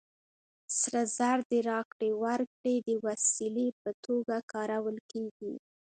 سره زر د راکړې ورکړې د وسیلې په توګه کارول کېږي